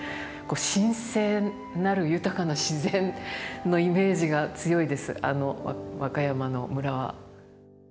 神聖なる豊かな自然のイメージが強いです和歌山の村は。